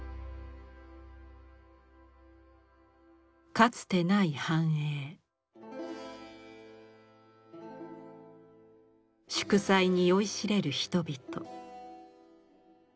かつてない繁栄祝祭に酔いしれる人々。